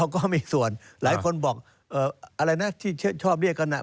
ก็มีส่วนหลายคนบอกอะไรนะที่ชอบเรียกกัน